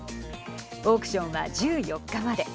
オークションは、１４日まで。